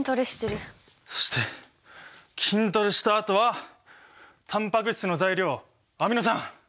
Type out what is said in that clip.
そして筋トレしたあとはタンパク質の材料アミノ酸！